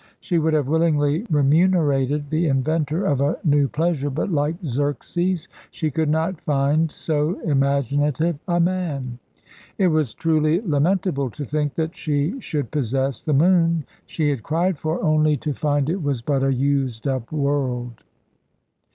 She would have willingly remunerated the inventor of a new pleasure, but like Xerxes, she could not find so imaginative a man. It was truly lamentable to think that she should possess the moon she had cried for, only to find it was but a used up world.